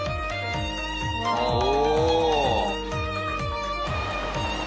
おお！